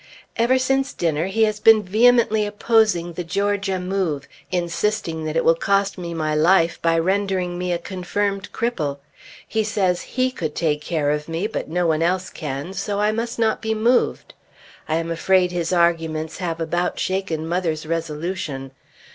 Ever since dinner he has been vehemently opposing the Georgia move, insisting that it will cost me my life, by rendering me a confirmed cripple. He says he could take care of me, but no one else can, so I must not be moved. I am afraid his arguments have about shaken mother's resolution.